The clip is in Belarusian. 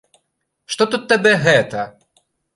Што тут табе гэта!